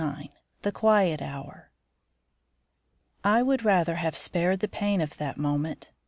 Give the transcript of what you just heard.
XXIX THE QUIET HOUR I would rather have been spared the pain of that moment.